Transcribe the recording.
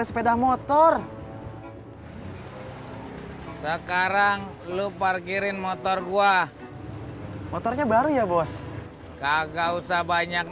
ih jorok banget lu pur biasa banget